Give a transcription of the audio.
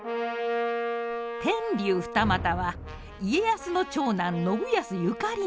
天竜二俣は家康の長男信康ゆかりの地。